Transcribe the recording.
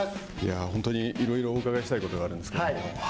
本当にいろいろおうかがいしたいことがあるんですけど。